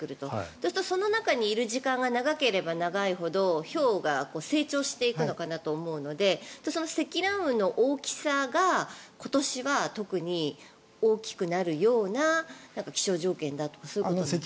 そうするとその中にいる時間が長ければ長いほどひょうが成長していくのかなと思うのでその積乱雲の大きさが今年は特に大きくなるような気象条件だとかそういうことですか？